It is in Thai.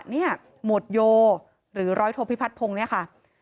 เนี่ยหมวดโยห์หรือร้อยโทพิพัดพงศ์เนี่ยค่ะ